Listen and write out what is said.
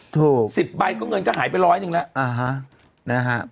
ถูก๑๐ใบก็เงินก็หายไปร้อยหนึ่งแล้วนะฮะ